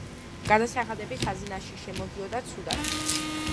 გადასახადები ხაზინაში შემოდიოდა ცუდად.